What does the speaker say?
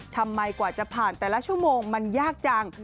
กว่าจะผ่านแต่ละชั่วโมงมันยากจัง